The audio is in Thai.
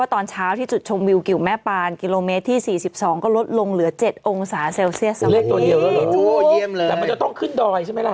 แต่มันจะต้องขึ้นดอยใช่ไหมล่ะ